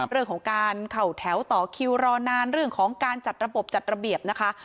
เรื่องของการเข้าแถวต่อคิวรอนานเรื่องของการจัดระบบจัดระเบียบนะคะ